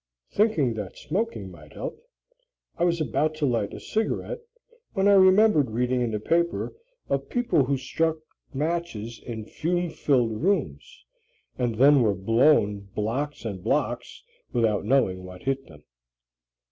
Thinking that smoking might help, I was about to light a cigarette when I remembered reading in the papers of people who struck matches in fume filled rooms and then were blown blocks and blocks without knowing what hit them.